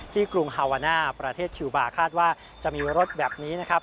กรุงฮาวาน่าประเทศคิวบาร์คาดว่าจะมีรถแบบนี้นะครับ